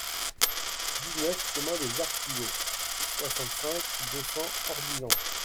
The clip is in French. dix-neuf chemin des Artigaux, soixante-cinq, deux cents, Ordizan